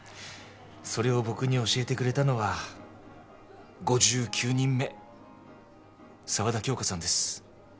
それを僕に教えてくれたのは５９人目沢田杏花さんです